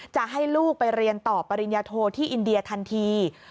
จะให้ลูกไปเรียนต่อปริญญาโทที่อินเดียทันที